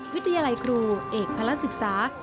วิทยาลัยครูเอกพระราชศึกษา